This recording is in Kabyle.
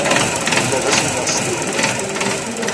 Yella d asemmiḍ s tidet.